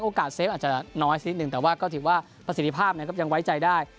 เซฟอาจจะน้อยสักนิดนึงแต่ว่าก็ถือว่าประสิทธิภาพนะครับยังไว้ใจได้